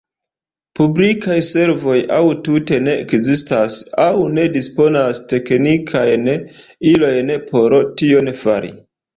Publikaj servoj aŭ tute ne ekzistas aŭ ne disponas teknikajn ilojn por tion fari.